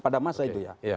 pada masa itu ya